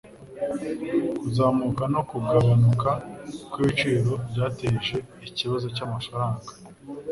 Kuzamuka no kugabanuka kwibiciro byateje ikibazo cyamafaranga. (fcbond)